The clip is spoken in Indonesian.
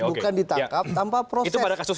bukan ditangkap tanpa proses